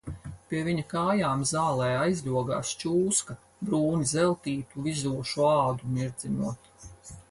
Pie viņa kājām zālē aizļogās čūska brūni zeltītu, vizošu ādu mirdzinot.